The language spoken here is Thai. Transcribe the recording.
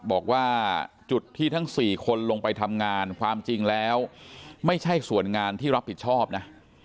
บอกว่าจุดที่ทั้ง๔คนลงไปทำงานความจริงแล้วไม่ใช่ส่วนงานที่รับผิดชอบนะ